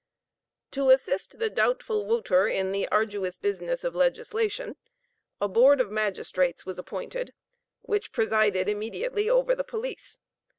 To assist the doubtful Wouter in the arduous business of legislation, a board of magistrates was appointed, which presided immediately over the police.